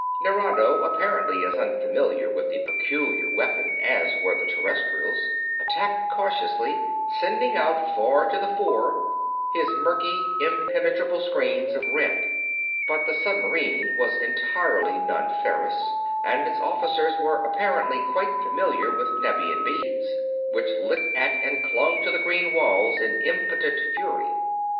Nerado, apparently as unfamiliar with the peculiar weapon as were the Terrestrials, attacked cautiously; sending out far to the fore his murkily impenetrable screens of red. But the submarine was entirely non ferrous, and its officers were apparently quite familiar with Nevian beams which licked at and clung to the green walls in impotent fury.